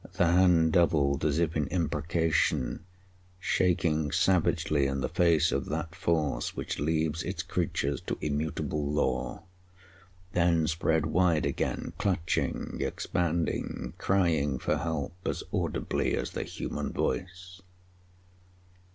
The hand doubled as if in imprecation, shaking savagely in the face of that force which leaves its creatures to immutable law; then spread wide again, clutching, expanding, crying for help as audibly as the human voice.